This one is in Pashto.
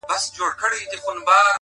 مـاتــه يــاديـــده اشـــــنـــا ـ